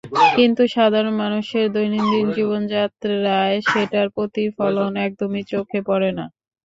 কিন্তু সাধারণ মানুষের দৈনন্দিন জীবনযাত্রায় সেটার প্রতিফলন একদমই চোখে পড়ে না।